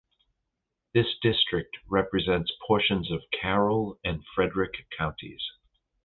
This district represents portions of Carroll and Frederick Counties.